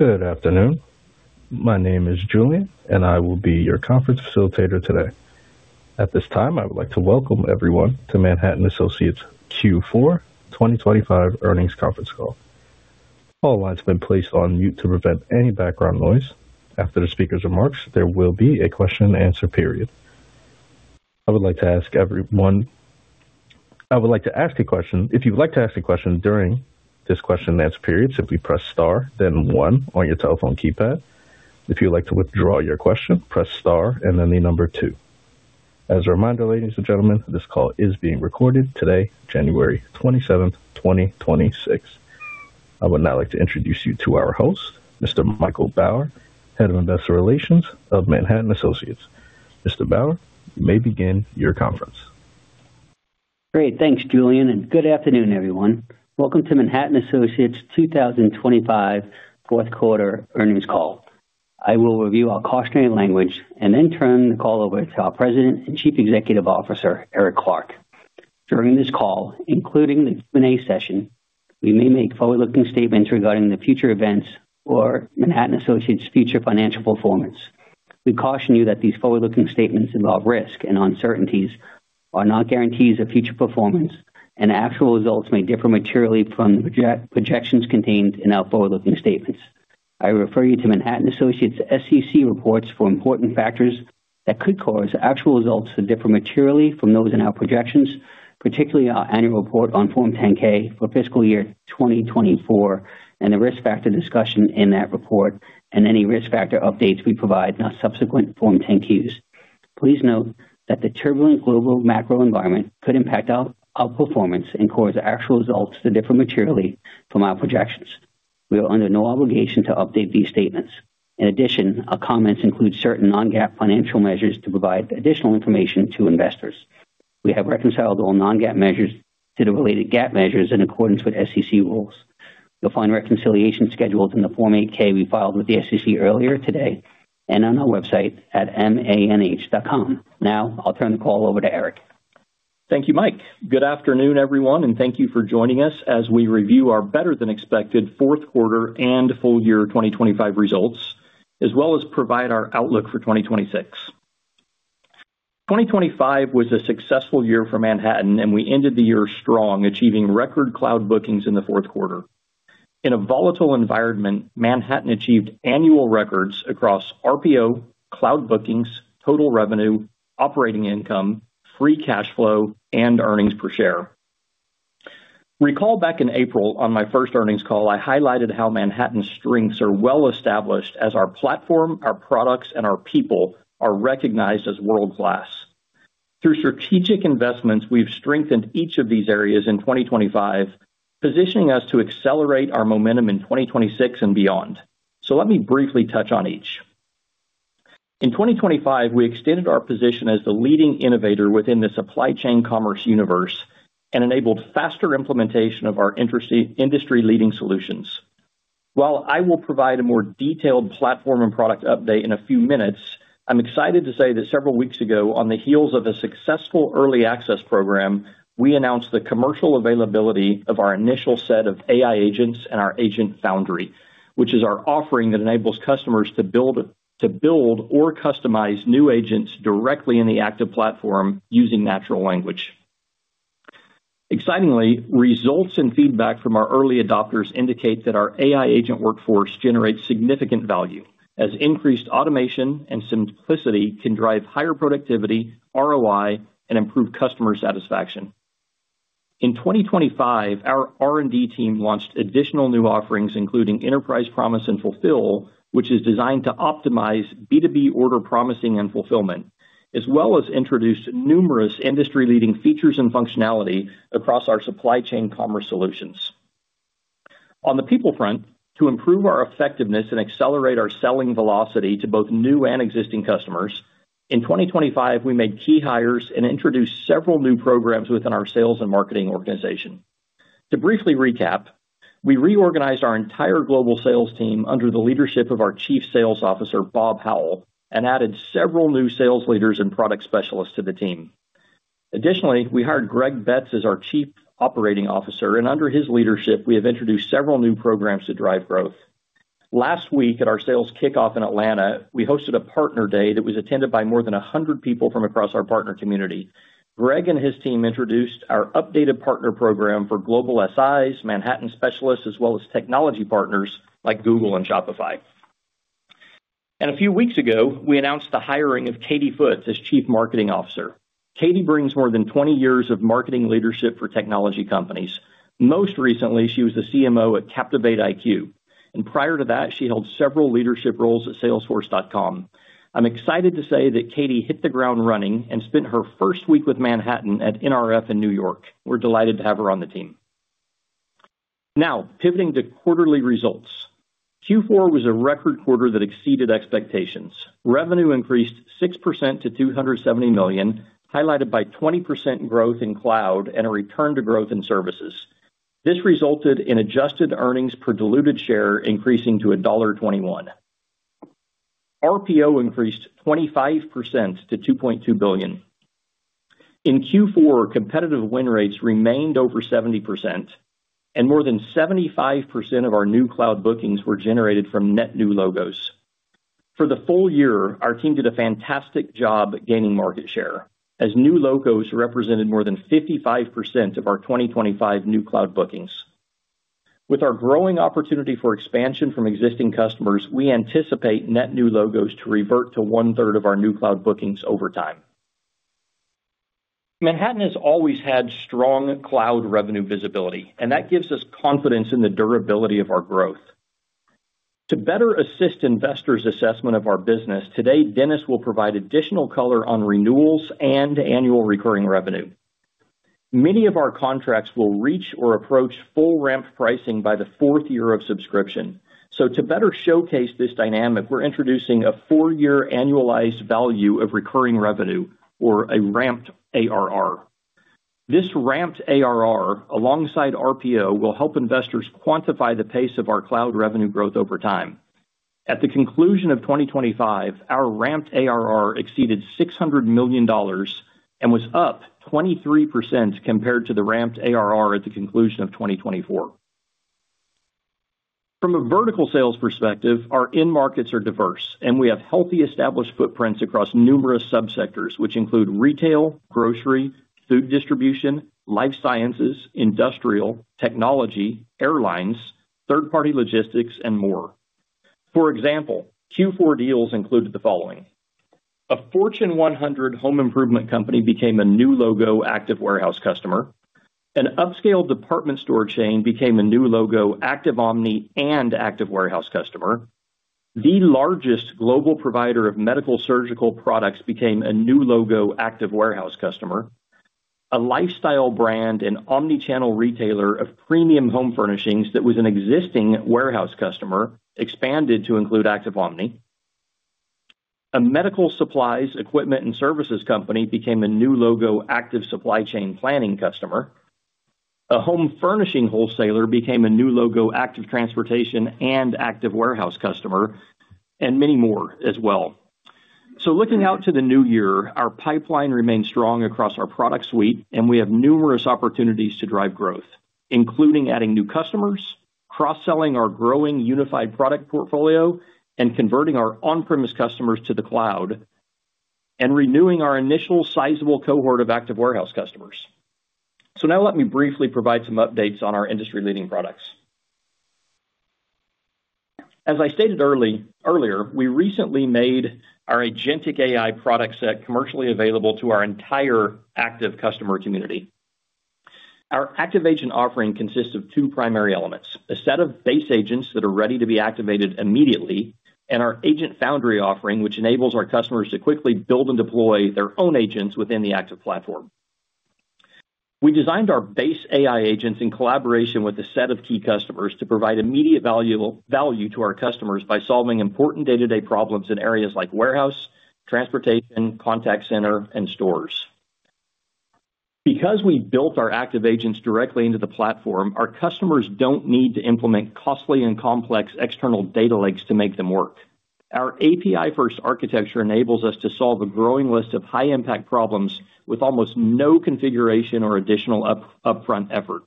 Good afternoon. My name is Julian, and I will be your conference Operator today. At this time, I would like to welcome everyone to Manhattan Associates Q4 2025 earnings conference call. All lines have been placed on mute to prevent any background noise. After the speaker's remarks, there will be a question-and-answer period. If you'd like to ask a question during this question-and-answer period, simply press Star, then one on your telephone keypad. If you'd like to withdraw your question, press Star and then the number two. As a reminder, ladies and gentlemen, this call is being recorded today, January 27th, 2026. I would now like to introduce you to our host, Mr. Michael Bauer, Head of Investor Relations of Manhattan Associates. Mr. Bauer, you may begin your conference. Great. Thanks, Julian, and good afternoon, everyone. Welcome to Manhattan Associates' 2025 fourth quarter earnings call. I will review our cautionary language and then turn the call over to our President and Chief Executive Officer, Eric Clark. During this call, including the Q&A session, we may make forward-looking statements regarding the future events or Manhattan Associates' future financial performance. We caution you that these forward-looking statements involve risk and uncertainties, are not guarantees of future performance, and actual results may differ materially from the projections contained in our forward-looking statements. I refer you to Manhattan Associates' SEC reports for important factors that could cause actual results to differ materially from those in our projections, particularly our annual report on Form 10-K for fiscal year 2024 and the risk factor discussion in that report and any risk factor updates we provide in subsequent Form 10-Qs. Please note that the turbulent global macro environment could impact our performance and cause actual results to differ materially from our projections. We are under no obligation to update these statements. In addition, our comments include certain non-GAAP financial measures to provide additional information to investors. We have reconciled all non-GAAP measures to the related GAAP measures in accordance with SEC rules. You'll find reconciliation schedules in the Form 8-K we filed with the SEC earlier today and on our website at manh.com. Now, I'll turn the call over to Eric. Thank you, Mike. Good afternoon, everyone, and thank you for joining us as we review our better-than-expected fourth quarter and full year 2025 results, as well as provide our outlook for 2026. 2025 was a successful year for Manhattan, and we ended the year strong, achieving record cloud bookings in the fourth quarter. In a volatile environment, Manhattan achieved annual records across RPO, cloud bookings, total revenue, operating income, free cash flow, and earnings per share. Recall back in April, on my first earnings call, I highlighted how Manhattan's strengths are well established as our platform, our products, and our people are recognized as world-class. Through strategic investments, we've strengthened each of these areas in 2025, positioning us to accelerate our momentum in 2026 and beyond. So let me briefly touch on each. In 2025, we extended our position as the leading innovator within the supply chain commerce universe and enabled faster implementation of our industry-leading solutions. While I will provide a more detailed platform and product update in a few minutes, I'm excited to say that several weeks ago, on the heels of a successful early access program, we announced the commercial availability of our initial set of AI agents and our Agent Foundry, which is our offering that enables customers to build or customize new agents directly in the Active Platform using natural language. Excitingly, results and feedback from our early adopters indicate that our AI agent workforce generates significant value, as increased automation and simplicity can drive higher productivity, ROI, and improve customer satisfaction. In 2025, our R&D team launched additional new offerings, including Enterprise Promise & Fulfill, which is designed to optimize B2B order promising and fulfillment, as well as introduced numerous industry-leading features and functionality across our supply chain commerce solutions. On the people front, to improve our effectiveness and accelerate our selling velocity to both new and existing customers, in 2025, we made key hires and introduced several new programs within our sales and marketing organization. To briefly recap, we reorganized our entire global sales team under the leadership of our Chief Sales Officer, Bob Howell, and added several new sales leaders and product specialists to the team. Additionally, we hired Greg Betts as our Chief Operating Officer, and under his leadership, we have introduced several new programs to drive growth. Last week, at our sales kickoff in Atlanta, we hosted a partner day that was attended by more than 100 people from across our partner community. Greg and his team introduced our updated partner program for global SIs, Manhattan specialists, as well as technology partners like Google and Shopify. A few weeks ago, we announced the hiring of Katie Foote as Chief Marketing Officer. Katie brings more than 20 years of marketing leadership for technology companies. Most recently, she was the CMO at CaptivateIQ. Prior to that, she held several leadership roles at Salesforce. I'm excited to say that Katie hit the ground running and spent her first week with Manhattan at NRF in New York. We're delighted to have her on the team. Now, pivoting to quarterly results. Q4 was a record quarter that exceeded expectations. Revenue increased 6% to $270 million, highlighted by 20% growth in cloud and a return to growth in services. This resulted in adjusted earnings per diluted share increasing to $1.21. RPO increased 25% to $2.2 billion. In Q4, competitive win rates remained over 70%, and more than 75% of our new cloud bookings were generated from net new logos. For the full year, our team did a fantastic job gaining market share, as new logos represented more than 55% of our 2025 new cloud bookings. With our growing opportunity for expansion from existing customers, we anticipate net new logos to revert to 1/3 of our new cloud bookings over time. Manhattan has always had strong cloud revenue visibility, and that gives us confidence in the durability of our growth. To better assist investors' assessment of our business, today, Dennis will provide additional color on renewals and annual recurring revenue. Many of our contracts will reach or approach full ramp pricing by the fourth year of subscription. So, to better showcase this dynamic, we're introducing a four-year annualized value of recurring revenue, or a ramped ARR. This ramped ARR, alongside RPO, will help investors quantify the pace of our cloud revenue growth over time. At the conclusion of 2025, our ramped ARR exceeded $600 million and was up 23% compared to the ramped ARR at the conclusion of 2024. From a vertical sales perspective, our in-markets are diverse, and we have healthy established footprints across numerous subsectors, which include retail, grocery, food distribution, life sciences, industrial, technology, airlines, third-party logistics, and more. For example, Q4 deals included the following: a Fortune 100 home improvement company became a new logo Active Warehouse customer, an upscale department store chain became a new logo Active Omni and Active Warehouse customer, the largest global provider of medical surgical products became a new logo Active Warehouse customer, a lifestyle brand and omnichannel retailer of premium home furnishings that was an existing warehouse customer expanded to include Active Omni, a medical supplies, equipment, and services company became a new logo Active Supply Chain Planning customer, a home furnishing wholesaler became a new logo Active Transportation and Active Warehouse customer, and many more as well. So, looking out to the new year, our pipeline remains strong across our product suite, and we have numerous opportunities to drive growth, including adding new customers, cross-selling our growing unified product portfolio, and converting our on-premise customers to the cloud, and renewing our initial sizable cohort of Active Warehouse customers. So now, let me briefly provide some updates on our industry-leading products. As I stated earlier, we recently made our Agentic AI product set commercially available to our entire active customer community. Our Active Agent offering consists of two primary elements: a set of base agents that are ready to be activated immediately, and our Agent Foundry offering, which enables our customers to quickly build and deploy their own agents within the Active Platform. We designed our base AI agents in collaboration with a set of key customers to provide immediate value to our customers by solving important day-to-day problems in areas like warehouse, transportation, contact center, and stores. Because we built our Active agents directly into the platform, our customers don't need to implement costly and complex external data lakes to make them work. Our API-first architecture enables us to solve a growing list of high-impact problems with almost no configuration or additional upfront effort.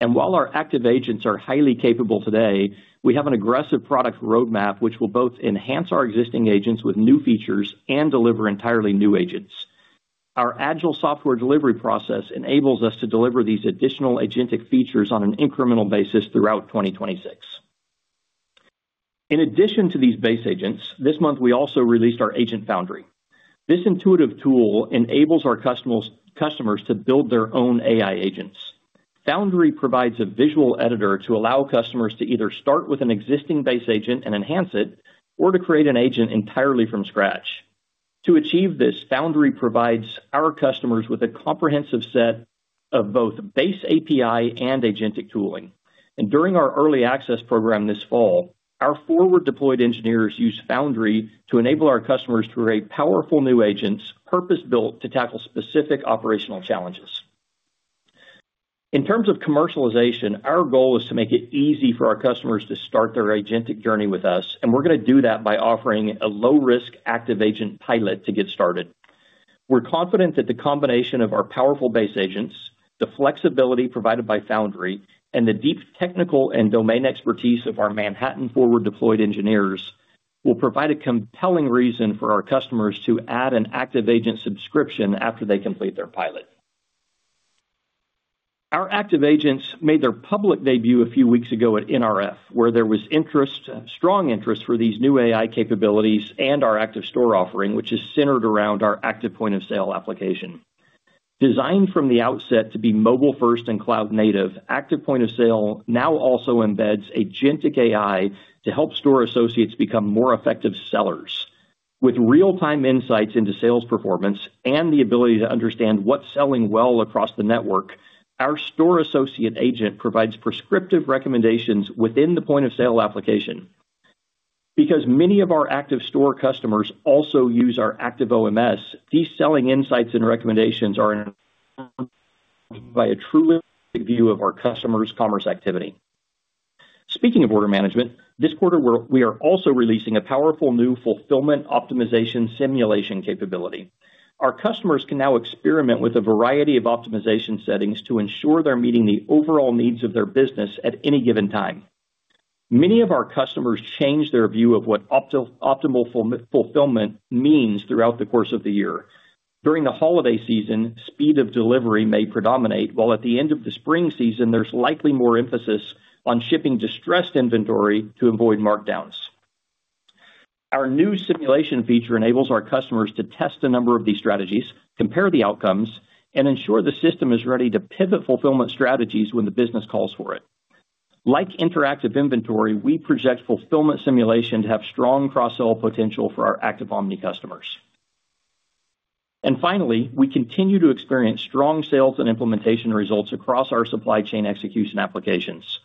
And while our Active agents are highly capable today, we have an aggressive product roadmap, which will both enhance our existing agents with new features and deliver entirely new agents. Our agile software delivery process enables us to deliver these additional agentic features on an incremental basis throughout 2026. In addition to these base agents, this month, we also released our Agent Foundry. This intuitive tool enables our customers to build their own AI agents. Foundry provides a visual editor to allow customers to either start with an existing base agent and enhance it, or to create an agent entirely from scratch. To achieve this, Foundry provides our customers with a comprehensive set of both base API and agentic tooling. And during our early access program this fall, our forward-deployed engineers used Foundry to enable our customers to create powerful new agents purpose-built to tackle specific operational challenges. In terms of commercialization, our goal is to make it easy for our customers to start their agentic journey with us, and we're going to do that by offering a low-risk Active Agent pilot to get started. We're confident that the combination of our powerful base agents, the flexibility provided by Foundry, and the deep technical and domain expertise of our Manhattan forward-deployed engineers will provide a compelling reason for our customers to add an Active Agent subscription after they complete their pilot. Our Active Agents made their public debut a few weeks ago at NRF, where there was interest, strong interest for these new AI capabilities and our Active Store offering, which is centered around our Active Point of Sale application. Designed from the outset to be mobile-first and cloud-native, Active Point of Sale now also embeds agentic AI to help store associates become more effective sellers. With real-time insights into sales performance and the ability to understand what's selling well across the network, our store associate agent provides prescriptive recommendations within the point of sale application. Because many of our Active Store customers also use our Active OMS, these selling insights and recommendations are informed by a true view of our customers' commerce activity. Speaking of Order Management, this quarter, we are also releasing a powerful new fulfillment optimization simulation capability. Our customers can now experiment with a variety of optimization settings to ensure they're meeting the overall needs of their business at any given time. Many of our customers change their view of what optimal fulfillment means throughout the course of the year. During the holiday season, speed of delivery may predominate, while at the end of the spring season, there's likely more emphasis on shipping distressed inventory to avoid markdowns. Our new simulation feature enables our customers to test a number of these strategies, compare the outcomes, and ensure the system is ready to pivot fulfillment strategies when the business calls for it. Like interactive inventory, we project fulfillment simulation to have strong cross-sell potential for our Active Omni customers. And finally, we continue to experience strong sales and implementation results across our supply chain execution applications.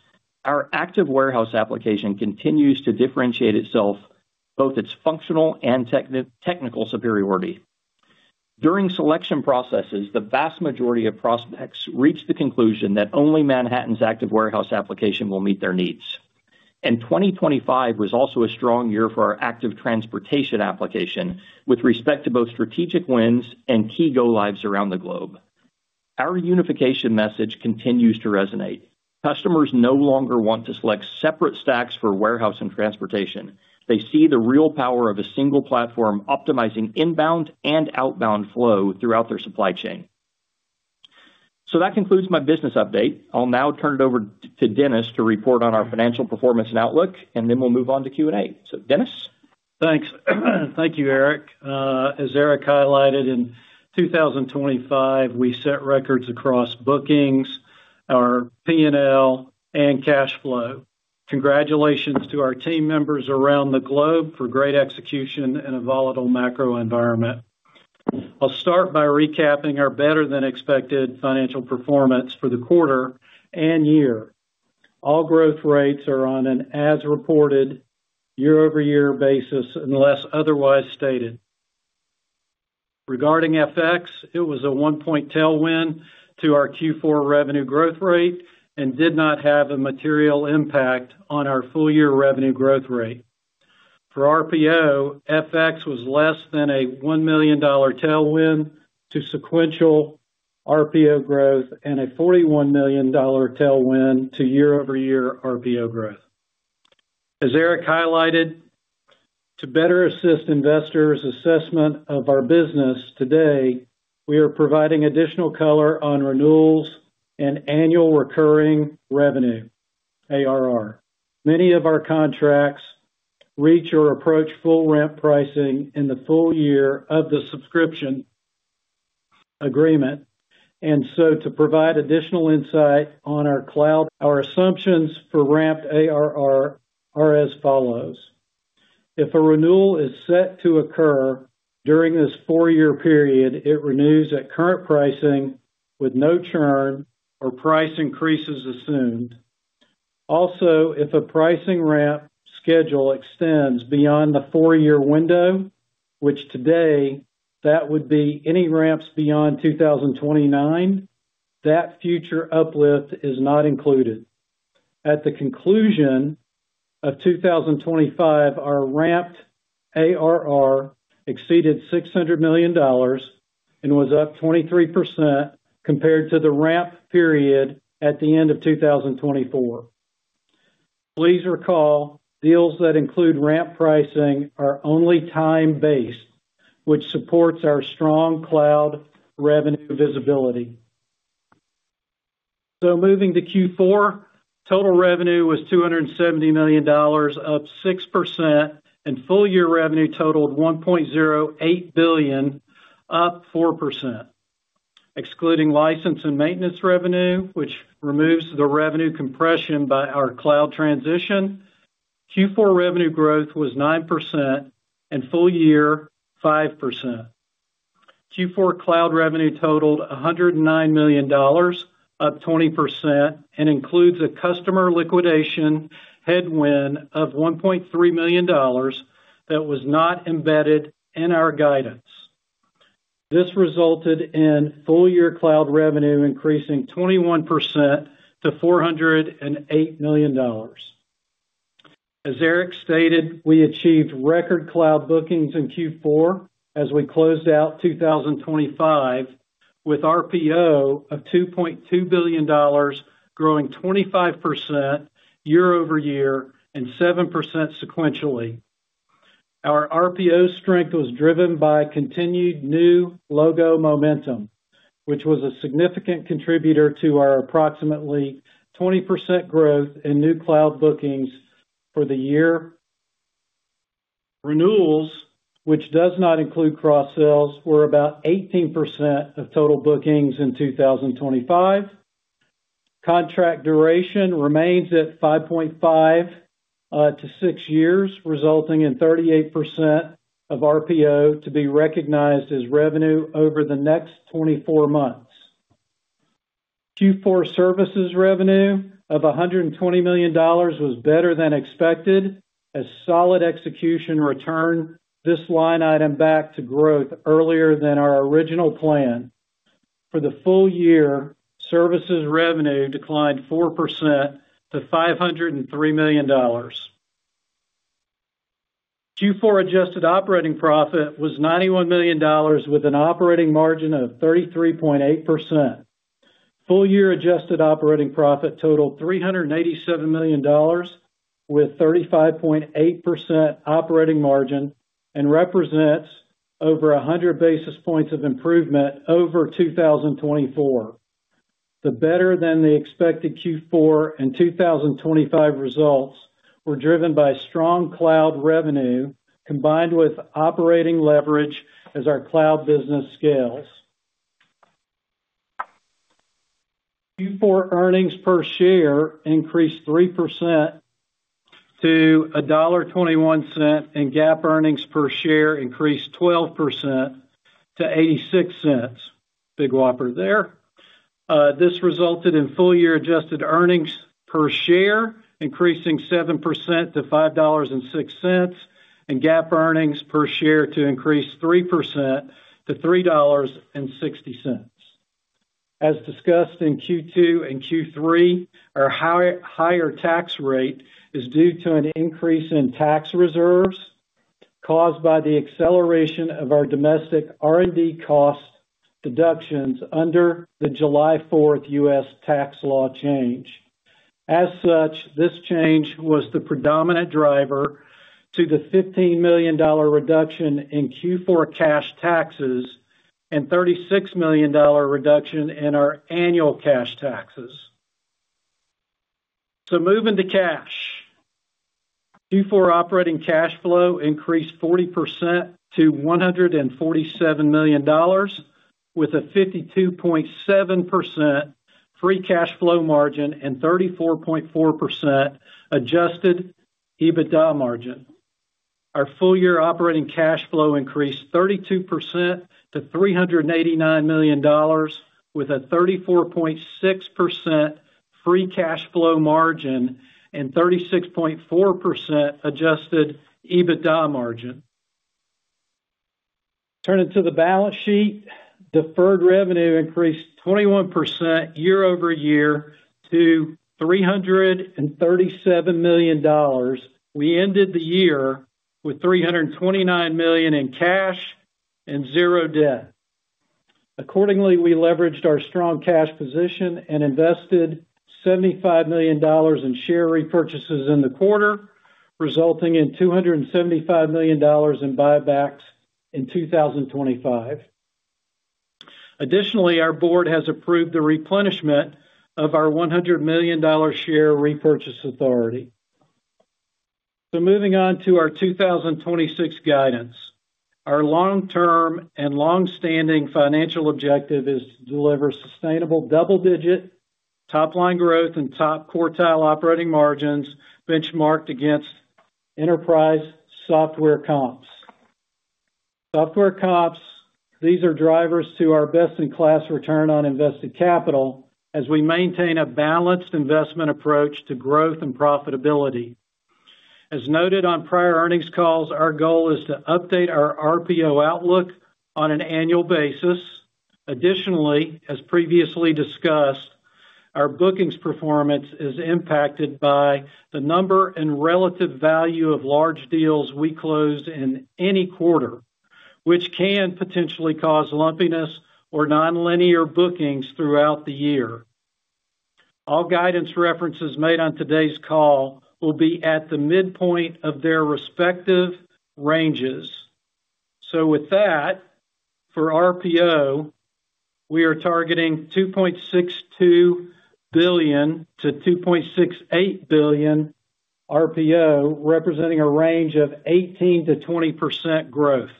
Our Active Warehouse application continues to differentiate itself, both its functional and technical superiority. During selection processes, the vast majority of prospects reach the conclusion that only Manhattan's Active Warehouse application will meet their needs. And 2025 was also a strong year for our Active Transportation application, with respect to both strategic wins and key go-lives around the globe. Our unification message continues to resonate. Customers no longer want to select separate stacks for warehouse and transportation. They see the real power of a single platform optimizing inbound and outbound flow throughout their supply chain. So that concludes my business update. I'll now turn it over to Dennis to report on our financial performance and outlook, and then we'll move on to Q&A. So, Dennis. Thanks. Thank you, Eric. As Eric highlighted, in 2025, we set records across bookings, our P&L, and cash flow. Congratulations to our team members around the globe for great execution in a volatile macro environment. I'll start by recapping our better-than-expected financial performance for the quarter and year. All growth rates are on an as-reported year-over-year basis, unless otherwise stated. Regarding FX, it was a 1-point tailwind to our Q4 revenue growth rate and did not have a material impact on our full-year revenue growth rate. For RPO, FX was less than a $1 million tailwind to sequential RPO growth and a $41 million tailwind to year-over-year RPO growth. As Eric highlighted, to better assist investors' assessment of our business today, we are providing additional color on renewals and annual recurring revenue ARR. Many of our contracts reach or approach full ramp pricing in the full year of the subscription agreement. And so, to provide additional insight on our cloud, our assumptions for ramped ARR are as follows. If a renewal is set to occur during this four-year period, it renews at current pricing with no churn or price increases assumed. Also, if a pricing ramp schedule extends beyond the four-year window, which today that would be any ramps beyond 2029, that future uplift is not included. At the conclusion of 2025, our ramped ARR exceeded $600 million and was up 23% compared to the ramp period at the end of 2024. Please recall, deals that include ramp pricing are only time-based, which supports our strong cloud revenue visibility. So, moving to Q4, total revenue was $270 million, up 6%, and full-year revenue totaled $1.08 billion, up 4%. Excluding license and maintenance revenue, which removes the revenue compression by our cloud transition, Q4 revenue growth was 9% and full-year 5%. Q4 cloud revenue totaled $109 million, up 20%, and includes a customer liquidation headwind of $1.3 million that was not embedded in our guidance. This resulted in full-year cloud revenue increasing 21% to $408 million. As Eric stated, we achieved record cloud bookings in Q4 as we closed out 2025 with RPO of $2.2 billion, growing 25% year-over-year and 7% sequentially. Our RPO strength was driven by continued new logo momentum, which was a significant contributor to our approximately 20% growth in new cloud bookings for the year. Renewals, which does not include cross-sells, were about 18% of total bookings in 2025. Contract duration remains at 5.5 years-6 years, resulting in 38% of RPO to be recognized as revenue over the next 24 months. Q4 services revenue of $120 million was better than expected as solid execution returned this line item back to growth earlier than our original plan. For the full year, services revenue declined 4% to $503 million. Q4 adjusted operating profit was $91 million with an operating margin of 33.8%. Full-year adjusted operating profit totaled $387 million with 35.8% operating margin and represents over 100 basis points of improvement over 2024. The better-than-the-expected Q4 and 2025 results were driven by strong cloud revenue combined with operating leverage as our cloud business scales. Q4 earnings per share increased 3% to $1.21, and GAAP earnings per share increased 12% to $0.86. Big whopper there. This resulted in full-year adjusted earnings per share increasing 7% to $5.06, and GAAP earnings per share to increase 3% to $3.60. As discussed in Q2 and Q3, our higher tax rate is due to an increase in tax reserves caused by the acceleration of our domestic R&D cost deductions under the July 4th U.S. tax law change. As such, this change was the predominant driver to the $15 million reduction in Q4 cash taxes and $36 million reduction in our annual cash taxes. So, moving to cash. Q4 operating cash flow increased 40% to $147 million, with a 52.7% free cash flow margin and 34.4% adjusted EBITDA margin. Our full-year operating cash flow increased 32% to $389 million, with a 34.6% free cash flow margin and 36.4% adjusted EBITDA margin. Turning to the balance sheet, deferred revenue increased 21% year-over-year to $337 million. We ended the year with $329 million in cash and zero debt. Accordingly, we leveraged our strong cash position and invested $75 million in share repurchases in the quarter, resulting in $275 million in buybacks in 2025. Additionally, our board has approved the replenishment of our $100 million share repurchase authority. So, moving on to our 2026 guidance. Our long-term and long-standing financial objective is to deliver sustainable double-digit top-line growth and top quartile operating margins benchmarked against enterprise software comps. Software comps, these are drivers to our best-in-class return on invested capital as we maintain a balanced investment approach to growth and profitability. As noted on prior earnings calls, our goal is to update our RPO outlook on an annual basis. Additionally, as previously discussed, our bookings performance is impacted by the number and relative value of large deals we close in any quarter, which can potentially cause lumpiness or non-linear bookings throughout the year. All guidance references made on today's call will be at the midpoint of their respective ranges. So, with that, for RPO, we are targeting $2.62 billion-$2.68 billion RPO, representing a range of 18%-20% growth.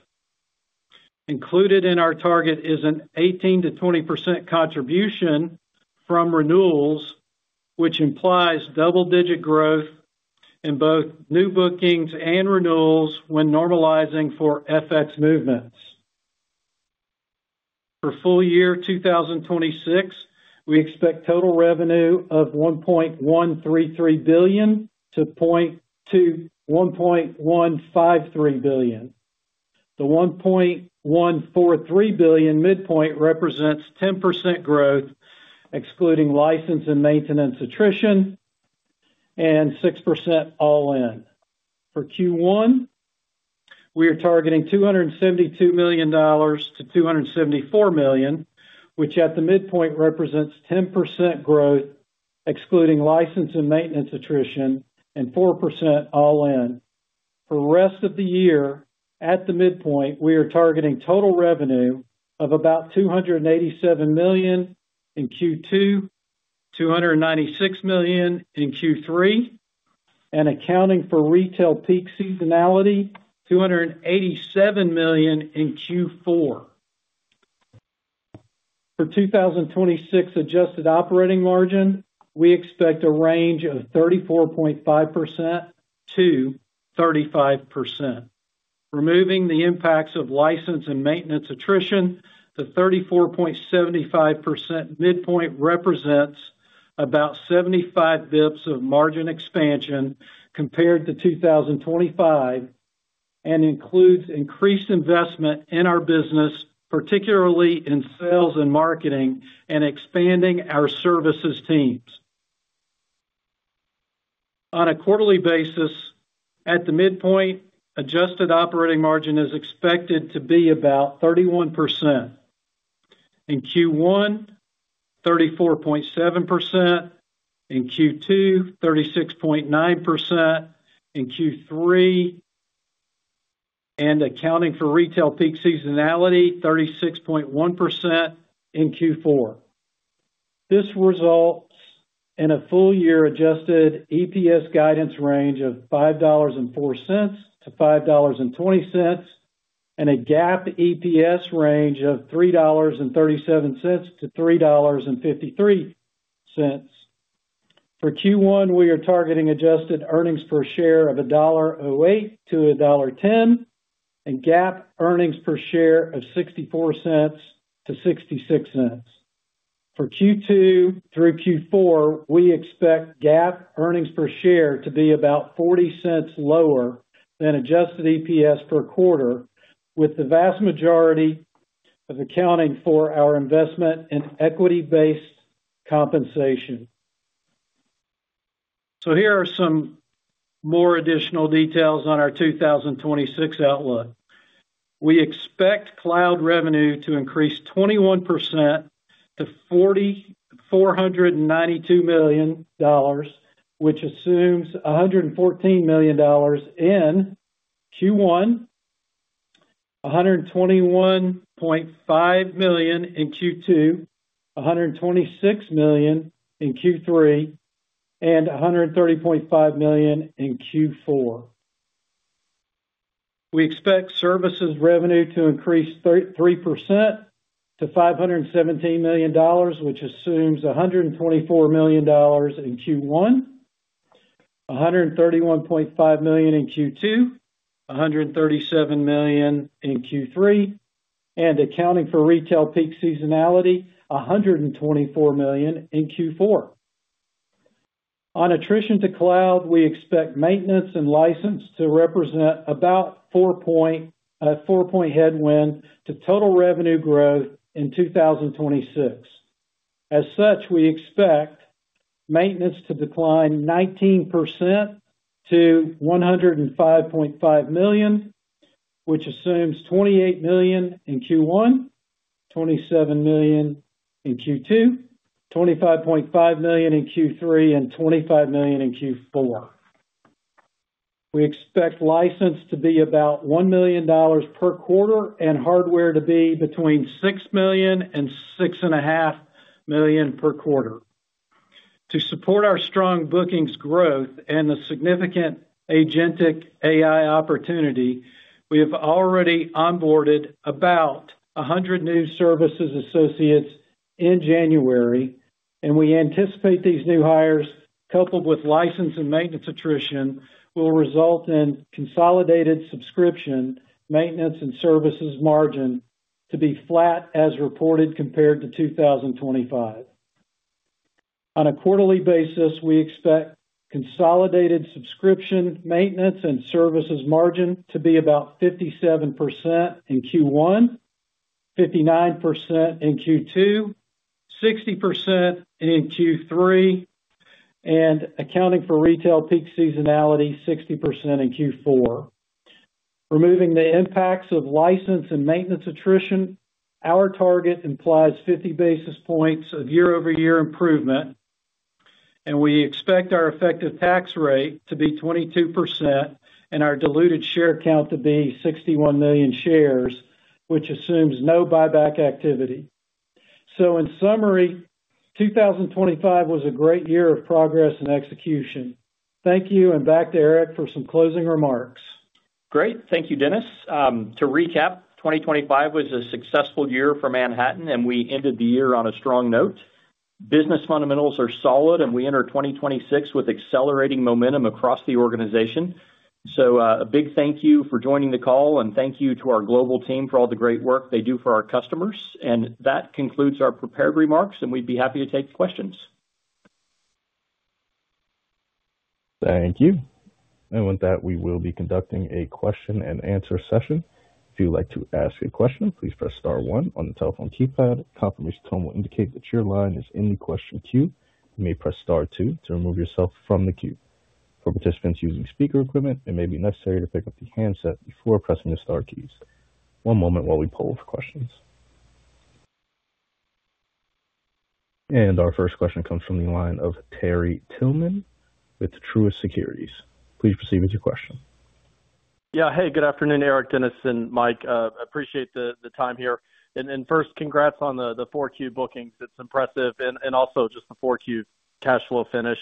Included in our target is an 18%-20% contribution from renewals, which implies double-digit growth in both new bookings and renewals when normalizing for FX movements. For full year 2026, we expect total revenue of $1.133 billion-$1.153 billion. The $1.143 billion midpoint represents 10% growth, excluding license and maintenance attrition, and 6% all-in. For Q1, we are targeting $272 million-$274 million, which at the midpoint represents 10% growth, excluding license and maintenance attrition, and 4% all-in. For the rest of the year, at the midpoint, we are targeting total revenue of about $287 million in Q2, $296 million in Q3, and accounting for retail peak seasonality, $287 million in Q4. For 2026 adjusted operating margin, we expect a range of 34.5%-35%. Removing the impacts of license and maintenance attrition to 34.75% midpoint represents about 75 basis points of margin expansion compared to 2025 and includes increased investment in our business, particularly in sales and marketing, and expanding our services teams. On a quarterly basis, at the midpoint, adjusted operating margin is expected to be about 31%. In Q1, 34.7%; in Q2, 36.9%; in Q3, and accounting for retail peak seasonality, 36.1% in Q4. This results in a full-year adjusted EPS guidance range of $5.04-$5.20 and a GAAP EPS range of $3.37-$3.53. For Q1, we are targeting adjusted earnings per share of $1.08-$1.10 and GAAP earnings per share of $0.64-$0.66. For Q2 through Q4, we expect GAAP earnings per share to be about $0.40 lower than adjusted EPS per quarter, with the vast majority of accounting for our investment in equity-based compensation. So, here are some more additional details on our 2026 outlook. We expect cloud revenue to increase 21% to $492 million, which assumes $114 million in Q1, $121.5 million in Q2, $126 million in Q3, and $130.5 million in Q4. We expect services revenue to increase 3% to $517 million, which assumes $124 million in Q1, $131.5 million in Q2, $137 million in Q3, and accounting for retail peak seasonality, $124 million in Q4. On attrition to cloud, we expect maintenance and license to represent about 4-point headwind to total revenue growth in 2026. As such, we expect maintenance to decline 19% to $105.5 million, which assumes $28 million in Q1, $27 million in Q2, $25.5 million in Q3, and $25 million in Q4. We expect license to be about $1 million per quarter and hardware to be between $6 million-$6.5 million per quarter. To support our strong bookings growth and the significant Agentic AI opportunity, we have already onboarded about 100 new services associates in January, and we anticipate these new hires, coupled with license and maintenance attrition, will result in consolidated subscription maintenance and services margin to be flat as reported compared to 2025. On a quarterly basis, we expect consolidated subscription maintenance and services margin to be about 57% in Q1, 59% in Q2, 60% in Q3, and accounting for retail peak seasonality 60% in Q4. Removing the impacts of license and maintenance attrition, our target implies 50 basis points of year-over-year improvement, and we expect our effective tax rate to be 22% and our diluted share count to be 61 million shares, which assumes no buyback activity. So, in summary, 2025 was a great year of progress and execution. Thank you, and back to Eric for some closing remarks. Great. Thank you, Dennis. To recap, 2025 was a successful year for Manhattan, and we ended the year on a strong note. Business fundamentals are solid, and we enter 2026 with accelerating momentum across the organization. So, a big thank you for joining the call, and thank you to our global team for all the great work they do for our customers. That concludes our prepared remarks, and we'd be happy to take questions. Thank you. With that, we will be conducting a question-and-answer session. If you'd like to ask a question, please press Star one on the telephone keypad. Confirmation tone will indicate that your line is in the question queue. You may press Star two to remove yourself from the queue. For participants using speaker equipment, it may be necessary to pick up the handset before pressing the Star keys. One moment while we poll for questions. Our first question comes from the line of Terry Tillman with Truist Securities. Please proceed with your question. Yeah. Hey, good afternoon, Eric, Dennis, and Mike. I appreciate the time here. And first, congrats on the 4Q bookings. It's impressive. And also just the 4Q cash flow finish.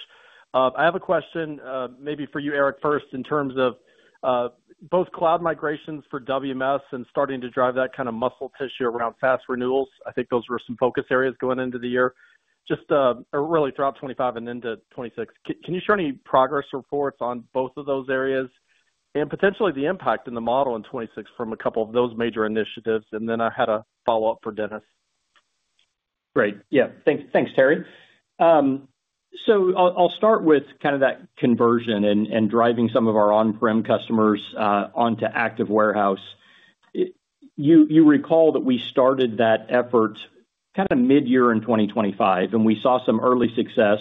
I have a question maybe for you, Eric, first, in terms of both cloud migrations for WMS and starting to drive that kind of muscle tissue around fast renewals. I think those were some focus areas going into the year, just really throughout 2025 and into 2026. Can you share any progress reports on both of those areas and potentially the impact in the model in 2026 from a couple of those major initiatives? And then I had a follow-up for Dennis. Great. Yeah. Thanks, Terry. So, I'll start with kind of that conversion and driving some of our on-prem customers onto Active Warehouse. You recall that we started that effort kind of mid-year in 2025, and we saw some early success.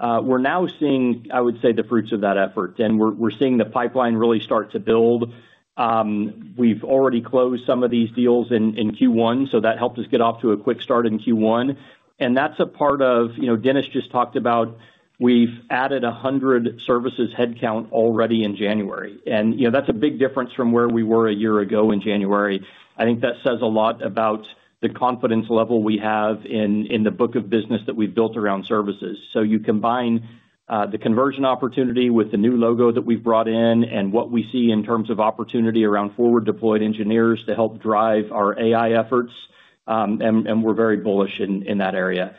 We're now seeing, I would say, the fruits of that effort, and we're seeing the pipeline really start to build. We've already closed some of these deals in Q1, so that helped us get off to a quick start in Q1. And that's a part of Dennis just talked about. We've added 100 services headcount already in January. And that's a big difference from where we were a year ago in January. I think that says a lot about the confidence level we have in the book of business that we've built around services. So, you combine the conversion opportunity with the new logo that we've brought in and what we see in terms of opportunity around forward-deployed engineers to help drive our AI efforts, and we're very bullish in that area.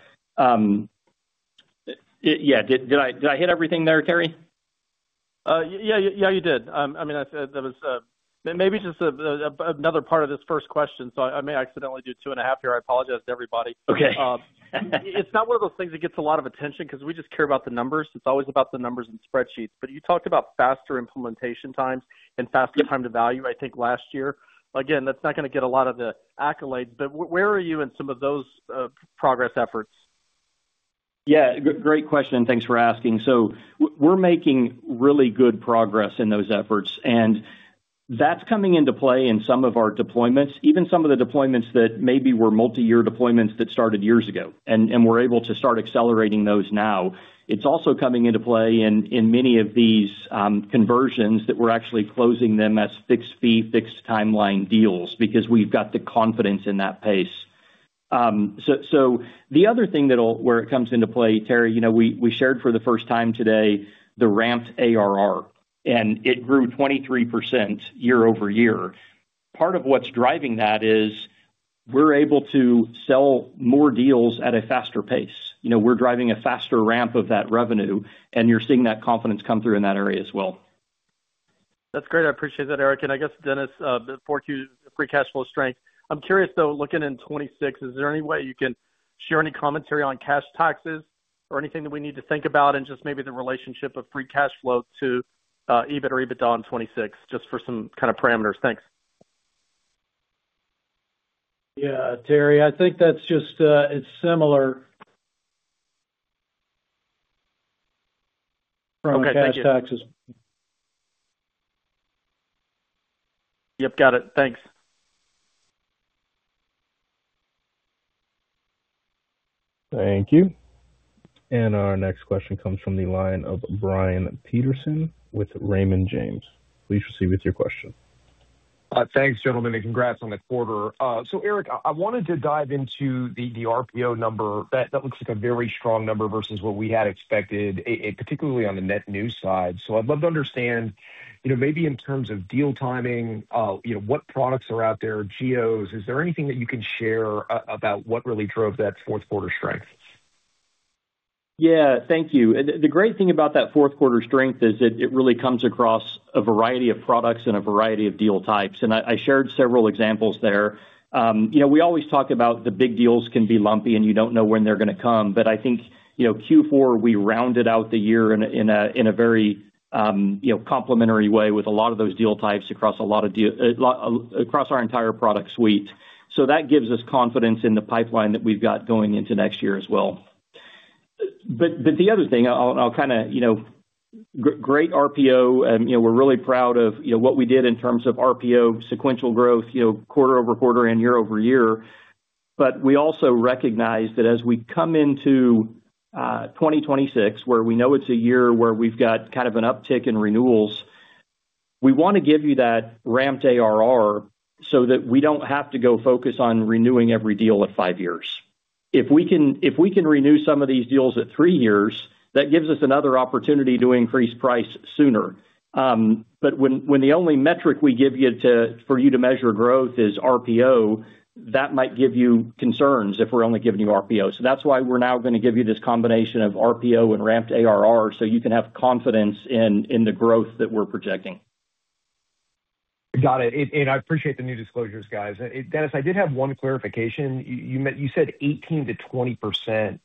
Yeah. Did I hit everything there, Terry? Yeah. Yeah, you did. I mean, I said there was maybe just another part of this first question. So, I may accidentally do 2.5 here. I apologize to everybody. Okay. It's not one of those things that gets a lot of attention because we just care about the numbers. It's always about the numbers and spreadsheets. But you talked about faster implementation times and faster time to value, I think, last year. Again, that's not going to get a lot of the accolades. But where are you in some of those progress efforts? Yeah. Great question. Thanks for asking. So, we're making really good progress in those efforts, and that's coming into play in some of our deployments, even some of the deployments that maybe were multi-year deployments that started years ago, and we're able to start accelerating those now. It's also coming into play in many of these conversions that we're actually closing them as fixed-fee, fixed-timeline deals because we've got the confidence in that pace. So, the other thing where it comes into play, Terry, we shared for the first time today the ramped ARR, and it grew 23% year-over-year. Part of what's driving that is we're able to sell more deals at a faster pace. We're driving a faster ramp of that revenue, and you're seeing that confidence come through in that area as well. That's great. I appreciate that, Eric. And I guess, Dennis, the 4Q free cash flow strength. I'm curious, though, looking in 2026, is there any way you can share any commentary on cash taxes or anything that we need to think about and just maybe the relationship of free cash flow to EBIT or EBITDA in 2026, just for some kind of parameters? Thanks. Yeah, Terry, I think that's just it's similar from cash taxes. Yep. Got it. Thanks. Thank you. And our next question comes from the line of Brian Peterson with Raymond James. Please proceed with your question. Thanks, gentlemen, and congrats on the quarter. So, Eric, I wanted to dive into the RPO number. That looks like a very strong number versus what we had expected, particularly on the net news side. So, I'd love to understand maybe in terms of deal timing, what products are out there, GEOs. Is there anything that you can share about what really drove that fourth-quarter strength? Yeah. Thank you. The great thing about that fourth-quarter strength is it really comes across a variety of products and a variety of deal types. And I shared several examples there. We always talk about the big deals can be lumpy, and you don't know when they're going to come. But I think Q4, we rounded out the year in a very complementary way with a lot of those deal types across our entire product suite. So, that gives us confidence in the pipeline that we've got going into next year as well. But the other thing, I'll kind of highlight RPO, and we're really proud of what we did in terms of RPO sequential growth quarter-over-quarter and year-over-year. But we also recognize that as we come into 2026, where we know it's a year where we've got kind of an uptick in renewals, we want to give you that ramped ARR so that we don't have to go focus on renewing every deal at five years. If we can renew some of these deals at three years, that gives us another opportunity to increase price sooner. But when the only metric we give you for you to measure growth is RPO, that might give you concerns if we're only giving you RPO. So, that's why we're now going to give you this combination of RPO and ramped ARR so you can have confidence in the growth that we're projecting. Got it. And I appreciate the new disclosures, guys. Dennis, I did have one clarification. You said 18%-20%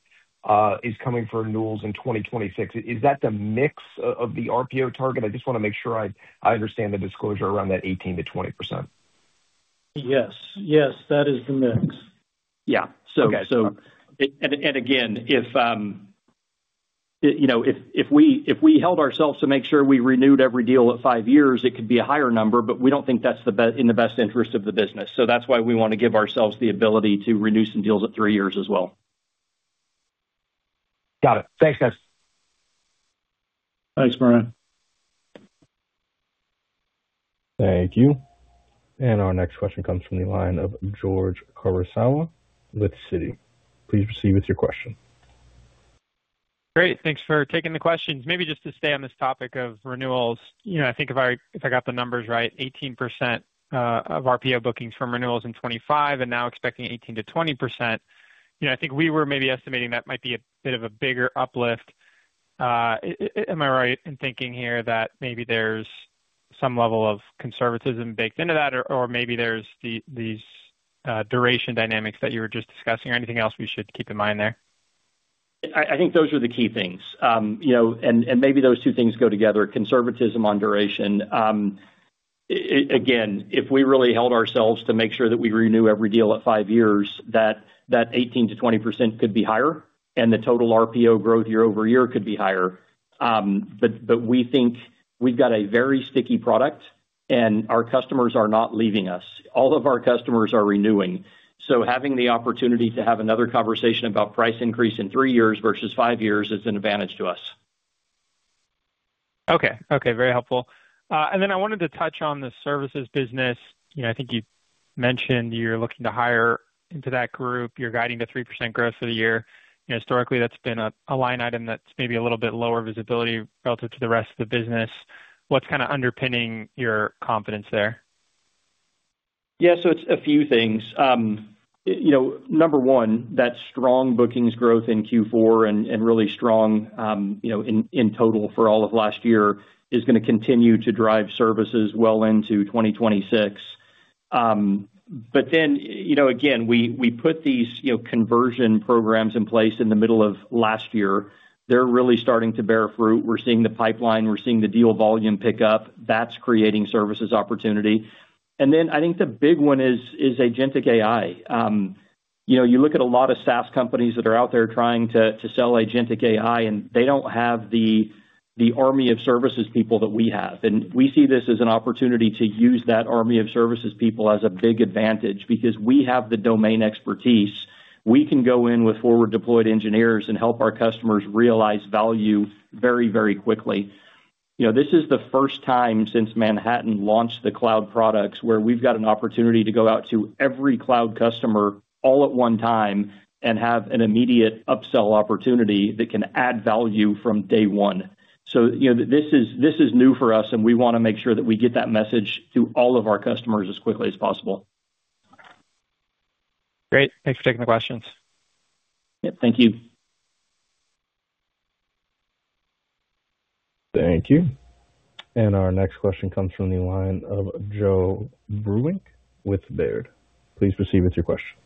is coming for renewals in 2026. Is that the mix of the RPO target? I just want to make sure I understand the disclosure around that 18%-20%. Yes. Yes. That is the mix. Yeah. So, and again, if we held ourselves to make sure we renewed every deal at five years, it could be a higher number, but we don't think that's in the best interest of the business. So, that's why we want to give ourselves the ability to renew some deals at three years as well. Got it. Thanks, guys. Thanks, Brian. Thank you. And our next question comes from the line of George Kurosawa with Citi. Please proceed with your question. Great. Thanks for taking the questions. Maybe just to stay on this topic of renewals, I think if I got the numbers right, 18% of RPO bookings from renewals in 2025 and now expecting 18%-20%. I think we were maybe estimating that might be a bit of a bigger uplift. Am I right in thinking here that maybe there's some level of conservatism baked into that, or maybe there's these duration dynamics that you were just discussing? Or anything else we should keep in mind there? I think those are the key things. And maybe those two things go together, conservatism on duration. Again, if we really held ourselves to make sure that we renew every deal at five years, that 18%-20% could be higher, and the total RPO growth year-over-year could be higher. But we think we've got a very sticky product, and our customers are not leaving us. All of our customers are renewing. So, having the opportunity to have another conversation about price increase in three years versus five years is an advantage to us. Okay. Okay. Very helpful. And then I wanted to touch on the services business. I think you mentioned you're looking to hire into that group. You're guiding to 3% growth for the year. Historically, that's been a line item that's maybe a little bit lower visibility relative to the rest of the business. What's kind of underpinning your confidence there? Yeah. So, it's a few things. Number one, that strong bookings growth in Q4 and really strong in total for all of last year is going to continue to drive services well into 2026. But then, again, we put these conversion programs in place in the middle of last year. They're really starting to bear fruit. We're seeing the pipeline. We're seeing the deal volume pick up. That's creating services opportunity. And then I think the big one is agentic AI. You look at a lot of SaaS companies that are out there trying to sell agentic AI, and they don't have the army of services people that we have. And we see this as an opportunity to use that army of services people as a big advantage because we have the domain expertise. We can go in with forward-deployed engineers and help our customers realize value very, very quickly. This is the first time since Manhattan launched the cloud products where we've got an opportunity to go out to every cloud customer all at one time and have an immediate upsell opportunity that can add value from day one. So, this is new for us, and we want to make sure that we get that message to all of our customers as quickly as possible. Great. Thanks for taking the questions. Yep. Thank you. Thank you. And our next question comes from the line of Joe Vruwink with Baird. Please proceed with your question.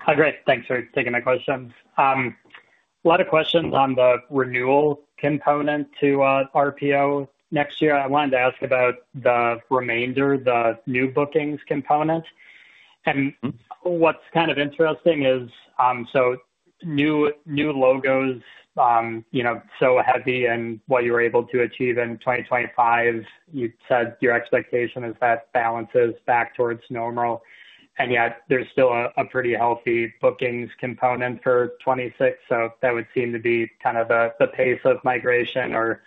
Hi, Greg. Thanks for taking my question. A lot of questions on the renewal component to RPO next year. I wanted to ask about the remainder, the new bookings component. And what's kind of interesting is, so new logos so heavy and what you were able to achieve in 2025, you said your expectation is that balances back towards normal. And yet, there's still a pretty healthy bookings component for 2026. So, that would seem to be kind of the pace of migration or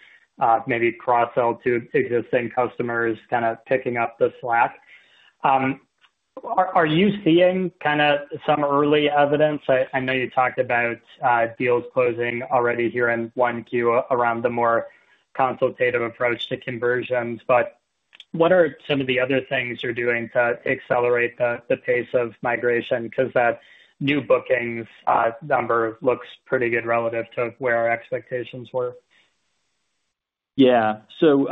maybe cross-sell to existing customers kind of picking up the slack. Are you seeing kind of some early evidence? I know you talked about deals closing already here in Q1 around the more consultative approach to conversions. But what are some of the other things you're doing to accelerate the pace of migration? Because that new bookings number looks pretty good relative to where our expectations were. Yeah. So,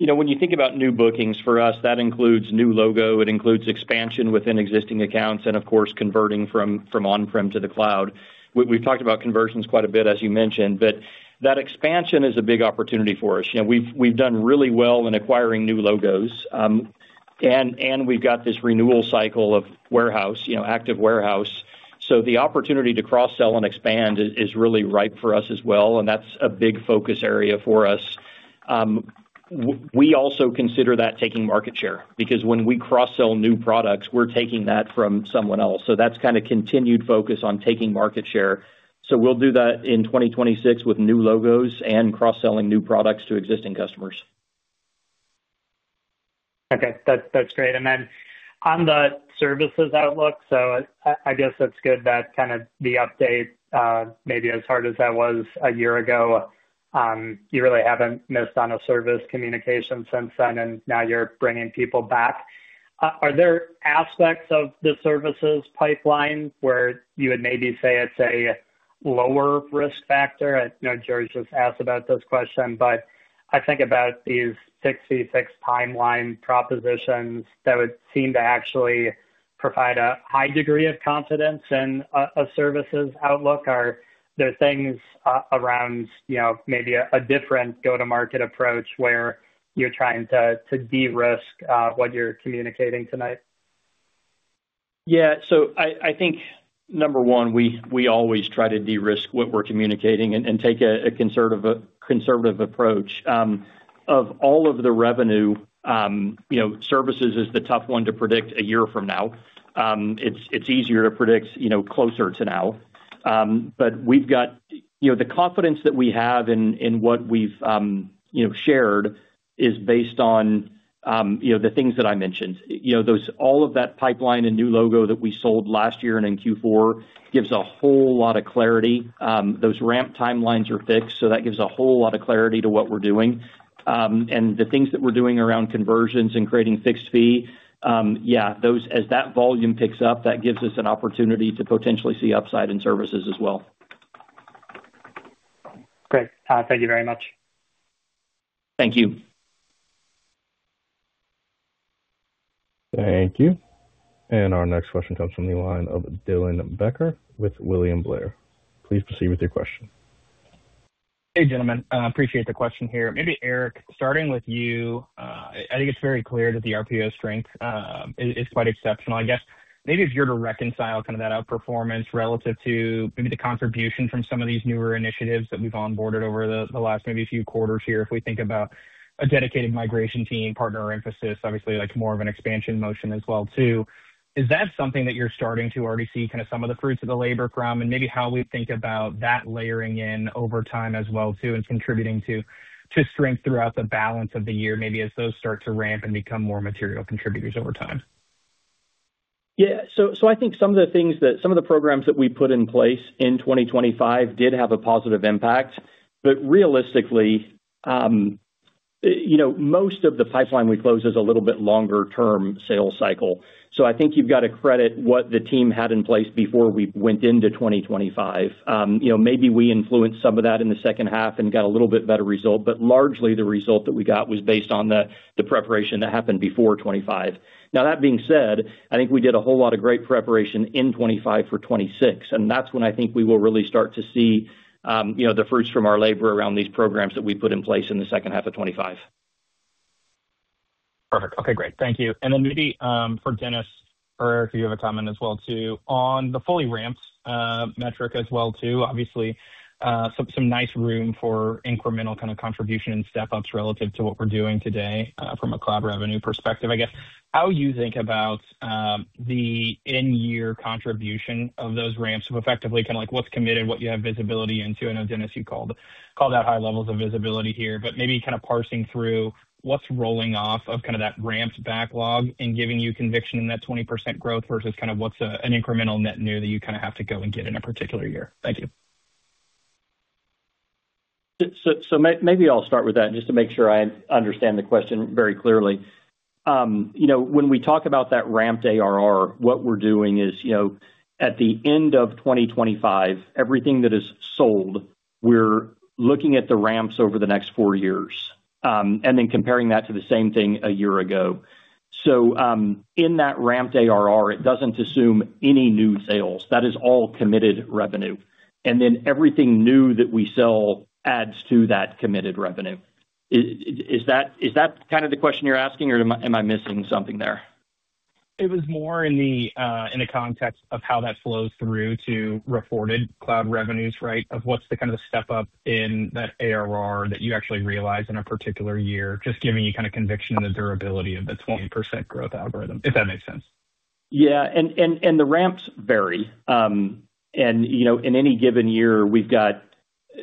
when you think about new bookings for us, that includes new logo. It includes expansion within existing accounts and, of course, converting from on-prem to the cloud. We've talked about conversions quite a bit, as you mentioned, but that expansion is a big opportunity for us. We've done really well in acquiring new logos, and we've got this renewal cycle of warehouse, Active Warehouse. The opportunity to cross-sell and expand is really ripe for us as well. That's a big focus area for us. We also consider that taking market share because when we cross-sell new products, we're taking that from someone else. That's kind of continued focus on taking market share. We'll do that in 2026 with new logos and cross-selling new products to existing customers. Okay. That's great. Then on the services outlook, so I guess that's good that kind of the update, maybe as hard as that was a year ago, you really haven't missed on a service communication since then, and now you're bringing people back. Are there aspects of the services pipeline where you would maybe say it's a lower risk factor? I know George just asked about this question, but I think about these 60-fixed timeline propositions that would seem to actually provide a high degree of confidence in a services outlook. Are there things around maybe a different go-to-market approach where you're trying to de-risk what you're communicating tonight? Yeah. So, I think number one, we always try to de-risk what we're communicating and take a conservative approach. Of all of the revenue, services is the tough one to predict a year from now. It's easier to predict closer to now. We've got the confidence that we have in what we've shared is based on the things that I mentioned. All of that pipeline and new logo that we sold last year and in Q4 gives a whole lot of clarity. Those ramp timelines are fixed, so that gives a whole lot of clarity to what we're doing. And the things that we're doing around conversions and creating fixed fee, yeah, as that volume picks up, that gives us an opportunity to potentially see upside in services as well. Great. Thank you very much. Thank you. Thank you. Our next question comes from the line of Dylan Becker with William Blair. Please proceed with your question. Hey, gentlemen. I appreciate the question here. Maybe, Eric, starting with you, I think it's very clear that the RPO strength is quite exceptional. I guess maybe if you're to reconcile kind of that outperformance relative to maybe the contribution from some of these newer initiatives that we've onboarded over the last maybe few quarters here, if we think about a dedicated migration team, partner emphasis, obviously more of an expansion motion as well too, is that something that you're starting to already see kind of some of the fruits of the labor from? And maybe how we think about that layering in over time as well too and contributing to strength throughout the balance of the year, maybe as those start to ramp and become more material contributors over time. Yeah. So, I think some of the things that some of the programs that we put in place in 2025 did have a positive impact. But realistically, most of the pipeline we close is a little bit longer-term sales cycle. So, I think you've got to credit what the team had in place before we went into 2025. Maybe we influenced some of that in the second half and got a little bit better result. But largely, the result that we got was based on the preparation that happened before 2025. Now, that being said, I think we did a whole lot of great preparation in 2025 for 2026. And that's when I think we will really start to see the fruits from our labor around these programs that we put in place in the second half of 2025. Perfect. Okay. Great. Thank you. And then maybe for Dennis or Eric, if you have a comment as well too on the fully ramped metric as well too, obviously some nice room for incremental kind of contribution and step-ups relative to what we're doing today from a cloud revenue perspective. I guess how you think about the in-year contribution of those ramps of effectively kind of what's committed, what you have visibility into? I know, Dennis, you called out high levels of visibility here, but maybe kind of parsing through what's rolling off of kind of that ramped backlog and giving you conviction in that 20% growth versus kind of what's an incremental net new that you kind of have to go and get in a particular year. Thank you. So, maybe I'll start with that just to make sure I understand the question very clearly. When we talk about that ramped ARR, what we're doing is at the end of 2025, everything that is sold, we're looking at the ramps over the next four years and then comparing that to the same thing a year ago. So, in that ramped ARR, it doesn't assume any new sales. That is all committed revenue. And then everything new that we sell adds to that committed revenue. Is that kind of the question you're asking, or am I missing something there? It was more in the context of how that flows through to reported cloud revenues, right, of what's the kind of step-up in that ARR that you actually realize in a particular year, just giving you kind of conviction in the durability of the 20% growth algorithm, if that makes sense. Yeah. And the ramps vary. And in any given year, we've got, as